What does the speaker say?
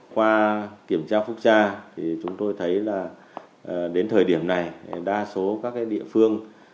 qua kiểm tra phúc tra thì chúng tôi thấy là đến thời điểm này đa số các địa phương